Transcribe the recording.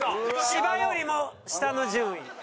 芝よりも下の順位。